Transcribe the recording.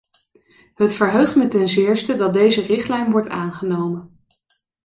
Het verheugt me ten zeerste dat deze richtlijn wordt aangenomen.